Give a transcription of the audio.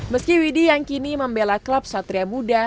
meski widhi yang kini membela klub satria muda